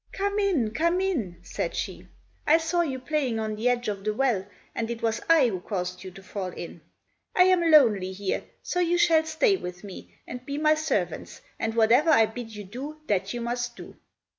"Come in, come in," said she. "I saw you playing on the edge of the well, and it was I who caused you to fall in. I am lonely here, so you shall stay with me and be my servants, and whatever I bid you do that you must do."